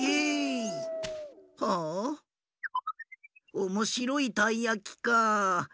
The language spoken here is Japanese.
おもしろいたいやきかあ。